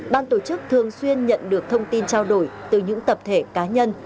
ban tổ chức thường xuyên nhận được thông tin trao đổi từ những tập thể cá nhân